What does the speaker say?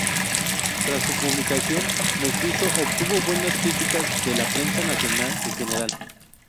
Tras su publicación, "Mestizo" obtuvo buenas críticas de la prensa nacional en general.